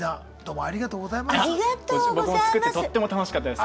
ありがとうございます！